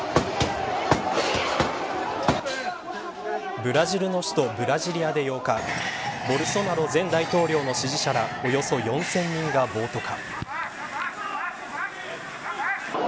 ブラジルの首都ブラジリアで８日ボルソナロ前大統領の支持者らおよそ４０００人が暴徒化。